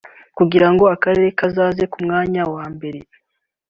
kugirango akarere kazaze ku mwanya wa mbere